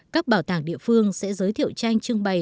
các bảo tàng địa phương sẽ giới thiệu tranh trưng bày